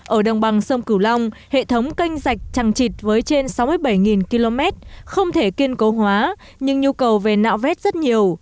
ở đồng bằng sông cửu long hệ thống kênh dạch trằng trịt với trên sáu mươi bảy km không thể kiên cố hóa nhưng nhu cầu về nạo vét rất nhiều